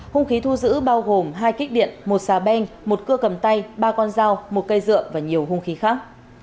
hung khí thu giữ bao gồm hai kích điện một xà beng một cưa cầm tay ba con dao một cây dựa và nhiều hung khí khác